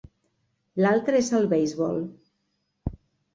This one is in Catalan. L'altre és el beisbol.